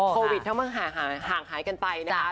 โควิดถ้ามันห่างหายกันไปนะคะ